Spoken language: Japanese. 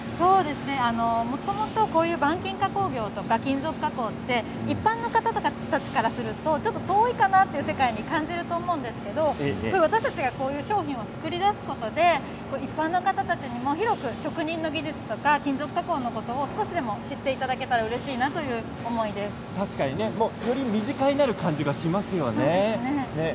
もともと板金加工業とか金属加工は一般の方たちからすると遠いかなという世界に感じると思うんですけれど私たちがこういう商品を作り出すことで一般の方たちに広く職人の技術とか金属加工のことを少しでも知っていただけたら確かに、より身近になる感じがしますよね。